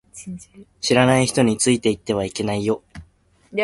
知らない人についていってはいけないよ